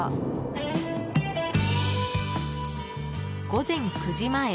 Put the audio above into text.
午前９時前。